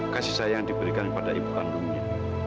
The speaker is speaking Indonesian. kasih sayang yang diberikan kepada ibu kandungnya